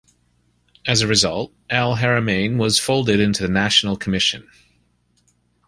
As a result, Al-Haramain was folded into the National Commission.